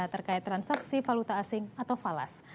terkait transaksi valuta asing atau falas